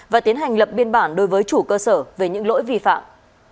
và tiến hành lập biên bản đối với chủ cơ sở về những lỗi vi phạm